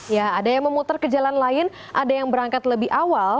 ya ada yang memutar ke jalan lain ada yang berangkat lebih awal